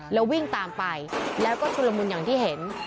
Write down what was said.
แล้ววิ่งตามไปแล้วก็ชุลมุนอย่างที่เห็น